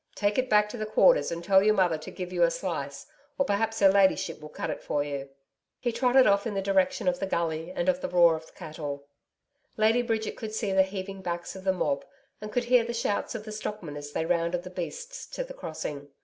Take it back to the Quarters and tell your mother to give you a slice, or perhaps her ladyship will cut it for you.' He trotted off in the direction of the gully and of the roar of cattle. Lady Bridget could see the heaving backs of the mob, and could hear the shouts of the stockmen as they rounded the beasts to the crossing.